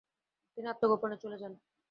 তিনি আত্মগোপনে চলে যান।